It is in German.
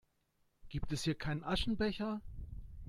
Gibt es hier keinen Aschenbecher?